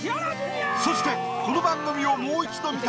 そしてこの番組を